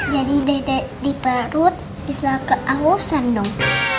jadi dede di perut bisa ke ausan dong